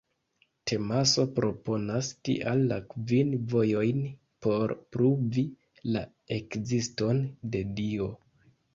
Tomaso proponas, tial, la kvin “vojojn” por pruvi la ekziston de Dio.